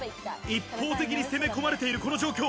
一方的に攻め込まれているこの状況。